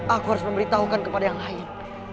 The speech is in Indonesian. aku harus memberitahukan kepada yang lain